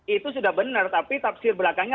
itu sudah benar tapi tafsir belakangnya